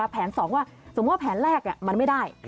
แผน๒ว่าสมมุติว่าแผนแรกมันไม่ได้